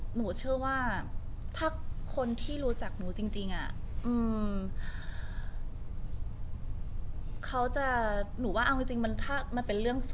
หรือว่าแบบหลายคนก็เริ่มกลัวที่จะแบบเข้าหาเราหรืออะไรแบบนี้